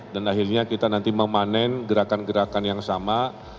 dan akhirnya kita nanti memanen gerakan gerakan yang sama